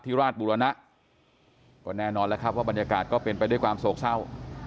ราชบุรณะก็แน่นอนแล้วครับว่าบรรยากาศก็เป็นไปด้วยความโศกเศร้า